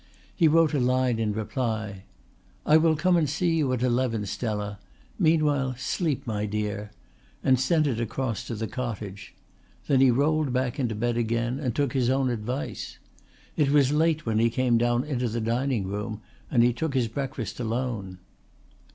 He wrote a line in reply. "I will come and see you at eleven, Stella. Meanwhile sleep, my dear," and sent it across to the cottage. Then he rolled back into bed again and took his own advice. It was late when he came down into the dining room and he took his breakfast alone.